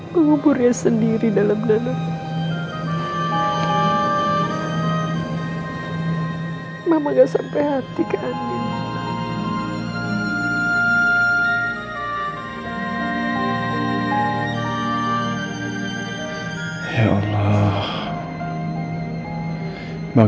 menguburnya sendiri dalam dalam